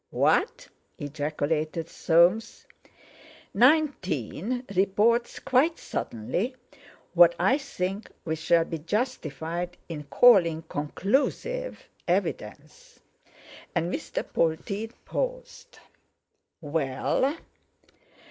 "What?" ejaculated Soames. "Nineteen reports quite suddenly what I think we shall be justified in calling conclusive evidence," and Mr. Polteed paused. "Well?"